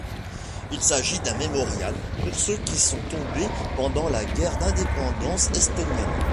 Il s'agit d'un mémorial pour ceux qui sont tombés pendant la guerre d'indépendance estonienne.